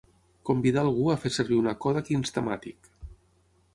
Convidar algú a fer servir una Kodak Instamatic.